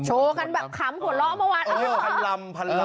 โชวกันแบบขำขวดล้อเมื่อวาน